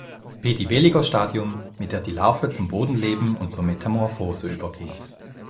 Pediveliger-Stadium, mit der die Larve zum Bodenleben und zur Metamorphose übergeht.